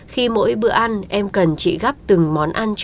khi mỗi bữa ăn em cần chị gắp từng món ăn